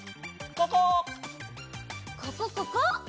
ここここ！